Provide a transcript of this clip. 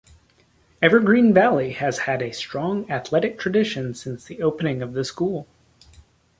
Evergreen Valley has had a strong athletic tradition since the opening of the school.